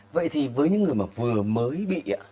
vậy thì với những người mà vừa mới bị